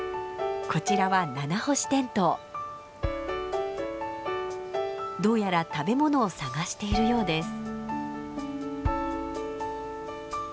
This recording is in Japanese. こちらはどうやら食べ物を探しているようです。